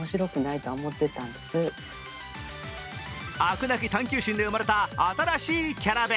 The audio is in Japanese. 飽くなき探究心で生まれた新しいキャラ弁。